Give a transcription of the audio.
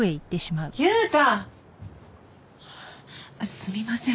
すみません。